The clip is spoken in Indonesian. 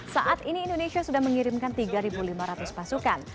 saat ini indonesia sudah mengirimkan tiga lima ratus pasukan